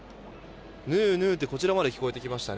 ヌーヌーってこちらまで聞こえてきました。